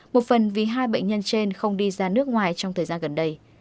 một phần vì hai bệnh nhân trên không đi ra nước ngoài trong thời gian gần đây